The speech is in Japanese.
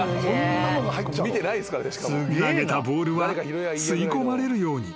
［投げたボールは吸い込まれるように］